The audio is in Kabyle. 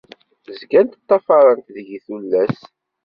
Zgant ṭṭafarent deg-i tullas.